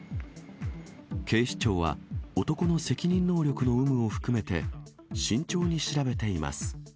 警視庁は、男の責任能力の有無を含めて慎重に調べています。